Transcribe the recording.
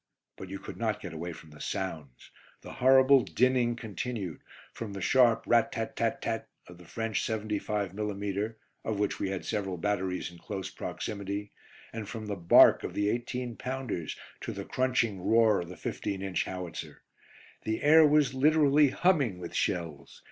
But you could not get away from the sounds. The horrible dinning continued, from the sharp rat tat tat tat of the French 75mm., of which we had several batteries in close proximity, and from the bark of the 18 pounders to the crunching roar of the 15 inch howitzer. The air was literally humming with shells.